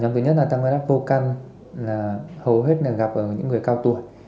nhóm thứ nhất là tăng huyết áp vô căn là hầu hết gặp ở những người cao tuổi